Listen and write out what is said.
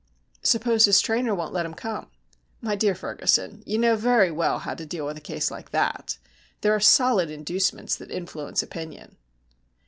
"Suppose his trainer won't let him come?" "My dear Ferguson, you know very well how to deal with a case like that. There are solid inducements that influence opinion."